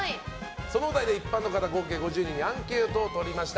そのお題で一般の方合計５０人にアンケートを取りました。